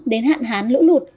đến hạn hán lũ lụt